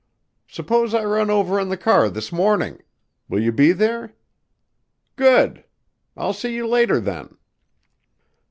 Suppose I run over in the car this morning? Will you be there? Good! I'll see you later, then."